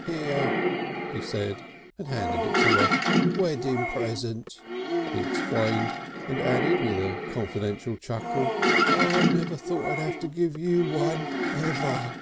"Here!" he said and handed it to her. "Weddin' present," he explained, and added with a confidential chuckle, "I never thought I'd 'ave to give you one ever."